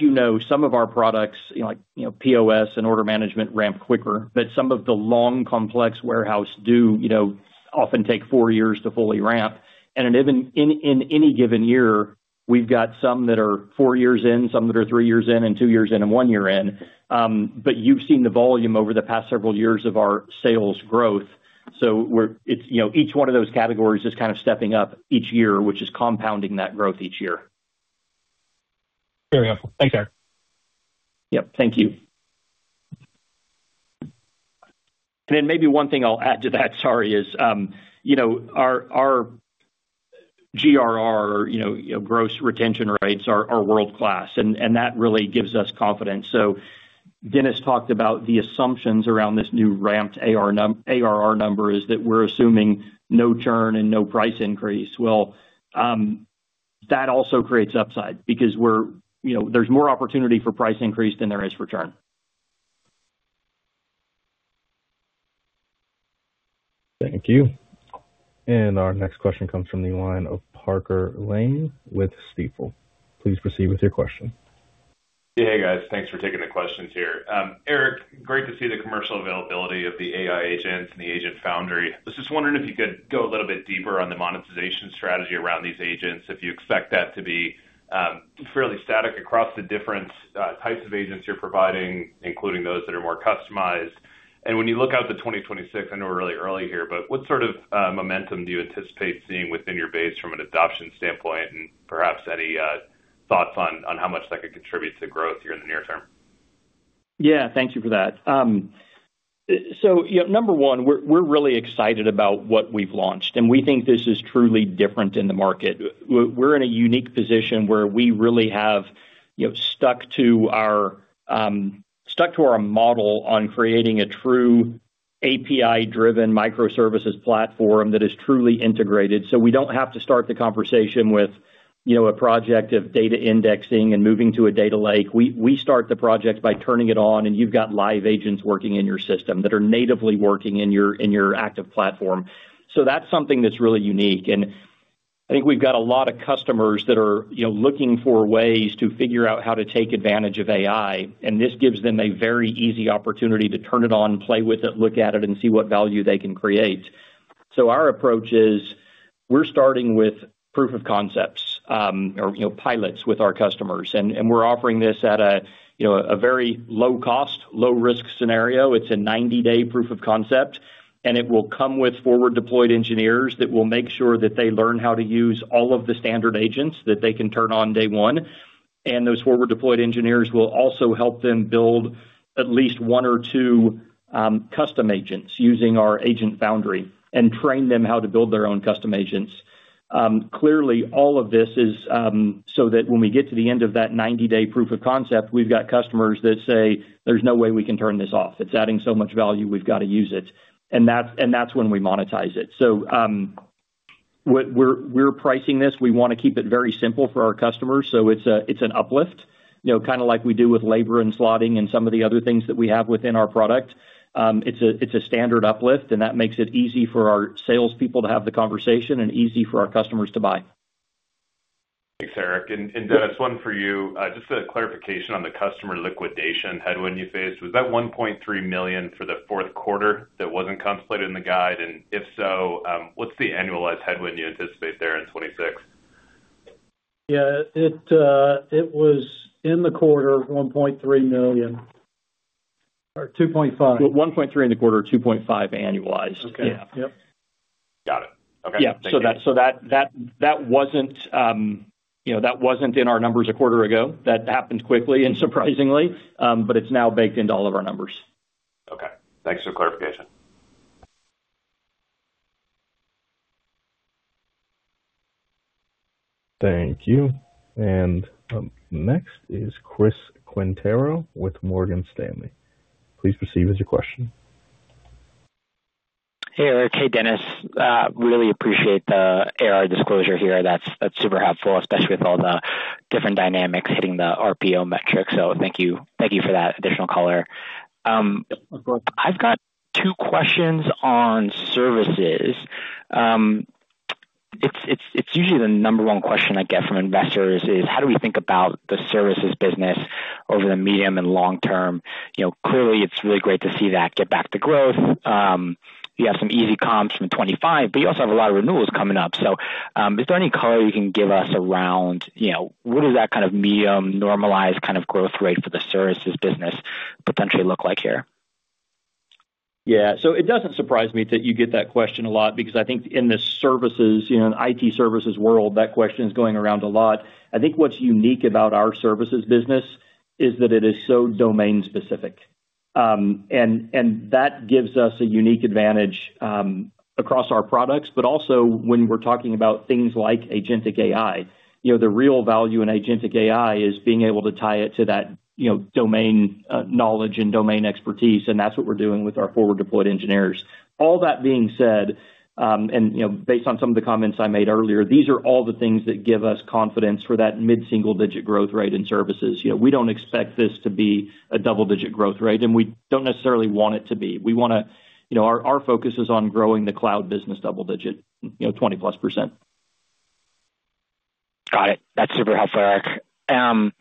you know, some of our products like POS and order management ramp quicker, but some of the long complex warehouse do often take four years to fully ramp. And in any given year, we've got some that are four years in, some that are three years in, and two years in, and one year in. But you've seen the volume over the past several years of our sales growth. So, each one of those categories is kind of stepping up each year, which is compounding that growth each year. Very helpful. Thanks, Eric. Yep. Thank you. And then maybe one thing I'll add to that, sorry, is our GRR, or gross retention rates, are world-class. And that really gives us confidence. So, Dennis talked about the assumptions around this new ramped ARR number is that we're assuming no churn and no price increase. Well, that also creates upside because there's more opportunity for price increase than there is for churn. Thank you. And our next question comes from the line of Parker Lane with Stifel. Please proceed with your question. Hey, guys. Thanks for taking the questions here. Eric, great to see the commercial availability of the AI agents and the Agent Foundry. I was just wondering if you could go a little bit deeper on the monetization strategy around these agents, if you expect that to be fairly static across the different types of agents you're providing, including those that are more customized. And when you look out to 2026, I know we're really early here, but what sort of momentum do you anticipate seeing within your base from an adoption standpoint and perhaps any thoughts on how much that could contribute to growth here in the near term? Yeah. Thank you for that. So, number one, we're really excited about what we've launched. And we think this is truly different in the market. We're in a unique position where we really have stuck to our model on creating a true API-driven microservices platform that is truly integrated. So, we don't have to start the conversation with a project of data indexing and moving to a data lake. We start the project by turning it on, and you've got live agents working in your system that are natively working in your Active Platform. So, that's something that's really unique. And I think we've got a lot of customers that are looking for ways to figure out how to take advantage of AI. And this gives them a very easy opportunity to turn it on, play with it, look at it, and see what value they can create. So, our approach is we're starting with proof of concepts or pilots with our customers. And we're offering this at a very low-cost, low-risk scenario. It's a 90-day proof of concept. It will come with forward-deployed engineers that will make sure that they learn how to use all of the standard agents that they can turn on day one. Those forward-deployed engineers will also help them build at least one or two custom agents using our Agent Foundry and train them how to build their own custom agents. Clearly, all of this is so that when we get to the end of that 90-day proof of concept, we've got customers that say, "There's no way we can turn this off. It's adding so much value. We've got to use it." That's when we monetize it. So, we're pricing this. We want to keep it very simple for our customers. So, it's an uplift, kind of like we do with labor and slotting and some of the other things that we have within our product. It's a standard uplift, and that makes it easy for our salespeople to have the conversation and easy for our customers to buy. Thanks, Eric. And Dennis, one for you. Just a clarification on the customer liquidation headwind you faced. Was that $1.3 million for the fourth quarter that wasn't contemplated in the guide? And if so, what's the annualized headwind you anticipate there in 2026? Yeah. It was in the quarter, $1.3 million or $2.5 million. $1.3 million in the quarter, $2.5 million annualized. Yeah. Yep. Got it. Okay. Thank you. Yeah. So, that wasn't in our numbers a quarter ago. That happened quickly and surprisingly, but it's now baked into all of our numbers. Okay. Thanks for the clarification. Thank you. And next is Chris Quintero with Morgan Stanley. Please proceed with your question. Hey, Eric. Hey, Dennis. Really appreciate the ARR disclosure here. That's super helpful, especially with all the different dynamics hitting the RPO metrics. So, thank you for that additional color. Of course. I've got two questions on services. It's usually the number one question I get from investors is, "How do we think about the services business over the medium and long term?" Clearly, it's really great to see that get back to growth. You have some easy comps from 2025, but you also have a lot of renewals coming up. So, is there any color you can give us around what does that kind of medium normalized kind of growth rate for the services business potentially look like here? Yeah. So, it doesn't surprise me that you get that question a lot because I think in the services, in IT services world, that question is going around a lot. I think what's unique about our services business is that it is so domain specific. And that gives us a unique advantage across our products, but also when we're talking about things like agentic AI. The real value in agentic AI is being able to tie it to that domain knowledge and domain expertise. And that's what we're doing with our forward-deployed engineers. All that being said, and based on some of the comments I made earlier, these are all the things that give us confidence for that mid-single-digit growth rate in services. We don't expect this to be a double-digit growth rate, and we don't necessarily want it to be. Our focus is on growing the cloud business double-digit, 20%+. Got it. That's super helpful, Eric.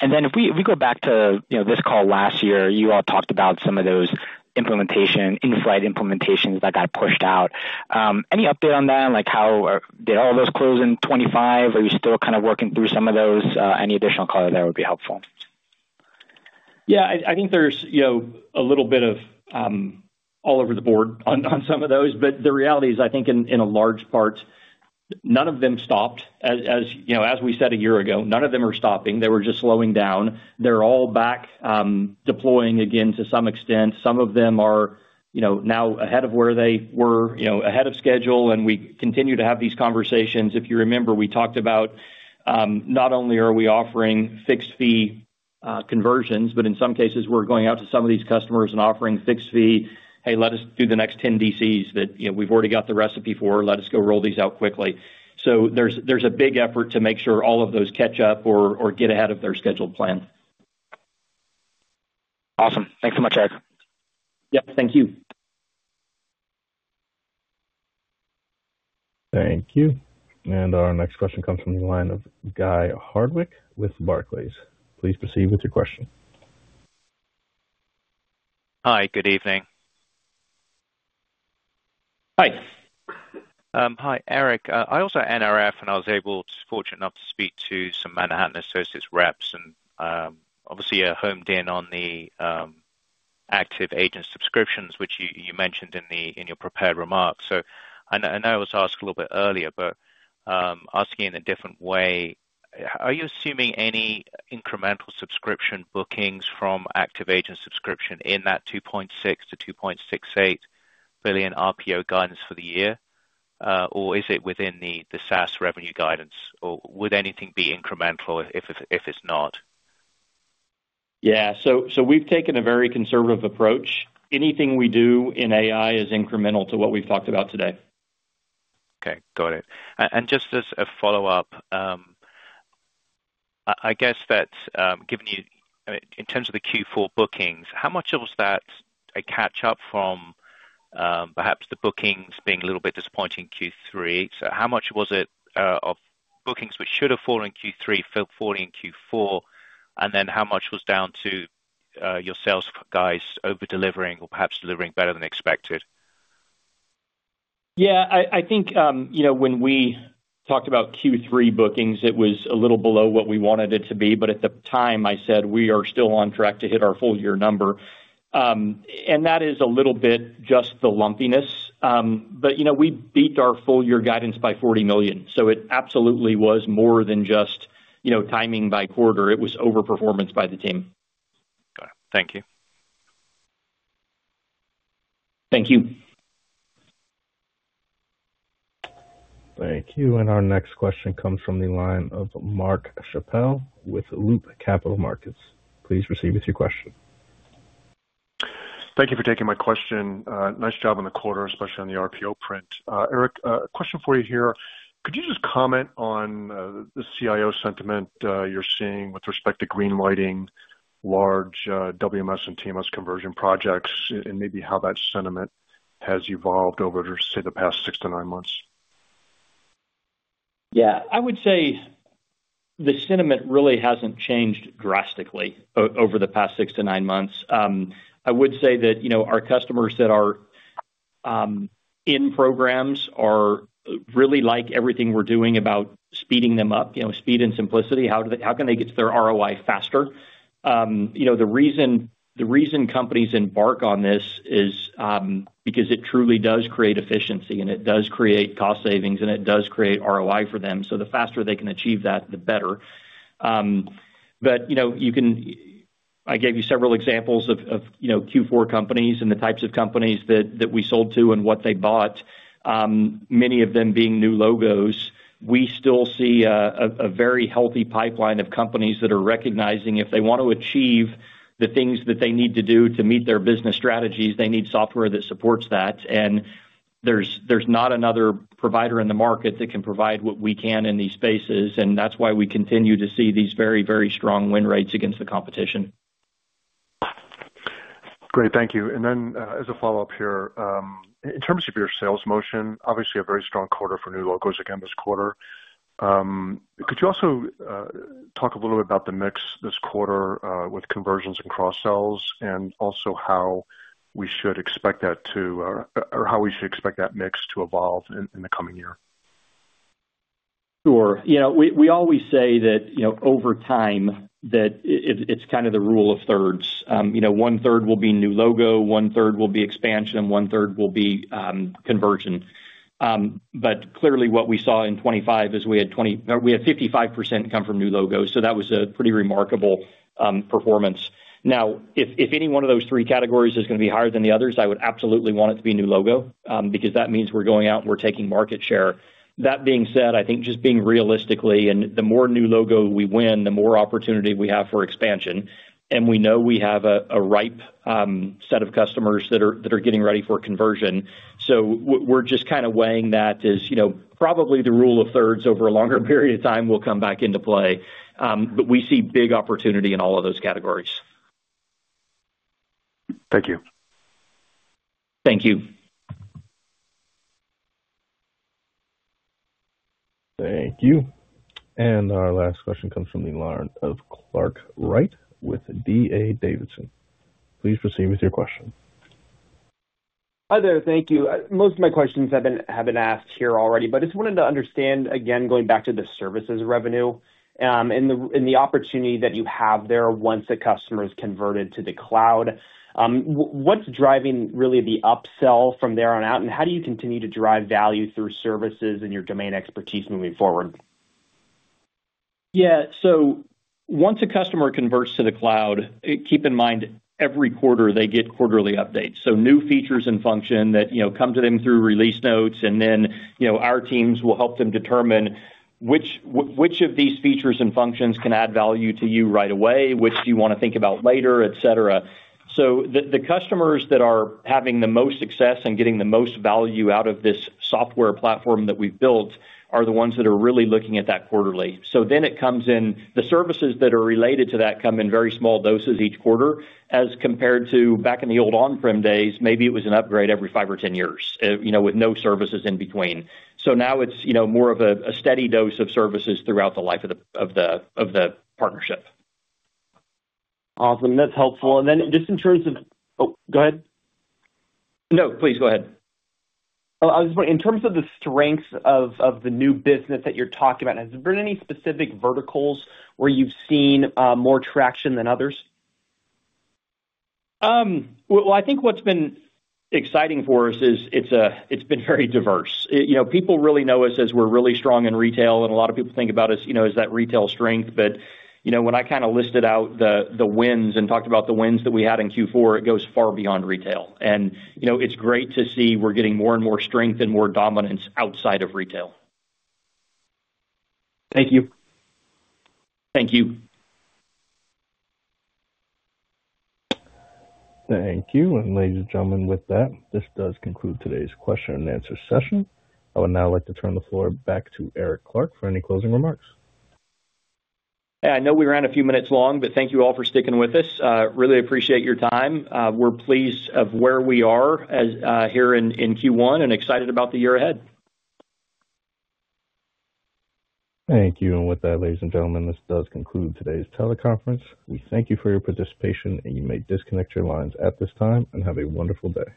And then if we go back to this call last year, you all talked about some of those implementations, in-flight implementations that got pushed out. Any update on that? Did all those close in 2025? Are you still kind of working through some of those? Any additional color there would be helpful. Yeah. I think there's a little bit of all over the board on some of those. But the reality is, I think in a large part, none of them stopped. As we said a year ago, none of them are stopping. They were just slowing down. They're all back deploying again to some extent. Some of them are now ahead of where they were, ahead of schedule. And we continue to have these conversations. If you remember, we talked about not only are we offering fixed-fee conversions, but in some cases, we're going out to some of these customers and offering fixed-fee, "Hey, let us do the next 10 DCs that we've already got the recipe for. Let us go roll these out quickly." So, there's a big effort to make sure all of those catch up or get ahead of their scheduled plan. Awesome. Thanks so much, Eric. Yep. Thank you. Thank you. And our next question comes from the line of Guy Hardwick with Barclays. Please proceed with your question. Hi. Good evening. Hi. Hi, Eric. I also NRF, and I was fortunate enough to speak to some Manhattan Associates reps. And obviously, you're honed in on the Active Agent subscriptions, which you mentioned in your prepared remarks. So, I know I was asked a little bit earlier, but asking in a different way, are you assuming any incremental subscription bookings from Active Agent subscription in that $2.6 billion-$2.68 billion RPO guidance for the year, or is it within the SaaS revenue guidance, or would anything be incremental if it's not? Yeah. So, we've taken a very conservative approach. Anything we do in AI is incremental to what we've talked about today. Okay. Got it. And just as a follow-up, I guess that given you in terms of the Q4 bookings, how much was that a catch-up from perhaps the bookings being a little bit disappointing in Q3? So, how much was it of bookings which should have fallen in Q3, falling in Q4, and then how much was down to your sales guys over-delivering or perhaps delivering better than expected? Yeah. I think when we talked about Q3 bookings, it was a little below what we wanted it to be. But at the time, I said, "We are still on track to hit our full-year number." And that is a little bit just the lumpiness. But we beat our full-year guidance by $40 million. So, it absolutely was more than just timing by quarter. It was overperformance by the team. Got it. Thank you. Thank you. Thank you. Our next question comes from the line of Mark Schappel with Loop Capital Markets. Please proceed with your question. Thank you for taking my question. Nice job on the quarter, especially on the RPO print. Eric, a question for you here. Could you just comment on the CIO sentiment you're seeing with respect to greenlighting large WMS and TMS conversion projects and maybe how that sentiment has evolved over, say, the past 6 to 9 months? Yeah. I would say the sentiment really hasn't changed drastically over the past 6 to 9 months. I would say that our customers that are in programs really like everything we're doing about speeding them up, speed and simplicity. How can they get to their ROI faster? The reason companies embark on this is because it truly does create efficiency, and it does create cost savings, and it does create ROI for them. So, the faster they can achieve that, the better. But I gave you several examples of Q4 companies and the types of companies that we sold to and what they bought, many of them being new logos. We still see a very healthy pipeline of companies that are recognizing if they want to achieve the things that they need to do to meet their business strategies, they need software that supports that. There's not another provider in the market that can provide what we can in these spaces. That's why we continue to see these very, very strong win rates against the competition. Great. Thank you. Then as a follow-up here, in terms of your sales motion, obviously a very strong quarter for new logos again this quarter. Could you also talk a little bit about the mix this quarter with conversions and cross-sells and also how we should expect that to or how we should expect that mix to evolve in the coming year? Sure. We always say that over time, that it's kind of the rule of thirds. 1/3 will be new logo, 1/3 will be expansion, 1/3 will be conversion. But clearly, what we saw in 2025 is we had 55% come from new logos. So, that was a pretty remarkable performance. Now, if any one of those three categories is going to be higher than the others, I would absolutely want it to be new logo because that means we're going out and we're taking market share. That being said, I think just being realistically, and the more new logo we win, the more opportunity we have for expansion. And we know we have a ripe set of customers that are getting ready for conversion. So, we're just kind of weighing that as probably the rule of thirds over a longer period of time will come back into play. But we see big opportunity in all of those categories. Thank you. Thank you. Thank you. Our last question comes from the line of Clark Wright with DA Davidson. Please proceed with your question. Hi there. Thank you. Most of my questions have been asked here already, but I just wanted to understand, again, going back to the services revenue and the opportunity that you have there once the customer is converted to the cloud. What's driving really the upsell from there on out, and how do you continue to drive value through services and your domain expertise moving forward? Yeah. So, once a customer converts to the cloud, keep in mind every quarter they get quarterly updates. So, new features and functions that come to them through release notes. And then our teams will help them determine which of these features and functions can add value to you right away, which do you want to think about later, etc. So, the customers that are having the most success and getting the most value out of this software platform that we've built are the ones that are really looking at that quarterly. So, then it comes in the services that are related to that come in very small doses each quarter as compared to back in the old on-prem days. Maybe it was an upgrade every 5 years or 10 years with no services in between. So, now it's more of a steady dose of services throughout the life of the partnership. Awesome. That's helpful. And then just in terms of, oh, go ahead. No, please go ahead. Oh, I was just wondering, in terms of the strengths of the new business that you're talking about, has there been any specific verticals where you've seen more traction than others? Well, I think what's been exciting for us is it's been very diverse. People really know us as we're really strong in retail, and a lot of people think about us as that retail strength. But when I kind of listed out the wins and talked about the wins that we had in Q4, it goes far beyond retail. And it's great to see we're getting more and more strength and more dominance outside of retail. Thank you. Thank you. Thank you. And ladies and gentlemen, with that, this does conclude today's question and answer session. I would now like to turn the floor back to Eric Clark for any closing remarks. Hey, I know we ran a few minutes long, but thank you all for sticking with us. Really appreciate your time. We're pleased of where we are here in Q1 and excited about the year ahead. Thank you. With that, ladies and gentlemen, this does conclude today's teleconference. We thank you for your participation, and you may disconnect your lines at this time and have a wonderful day.